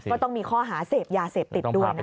ก็ต้องมีข้อหาเสพยาเสพติดด้วยนะคะ